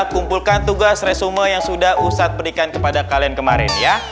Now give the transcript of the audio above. kumpulkan tugas resume yang sudah ustadz berikan kepada kalian kemarin ya